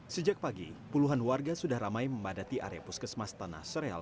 sejak pagi puluhan warga sudah ramai membadati area puskesmas tanah sereal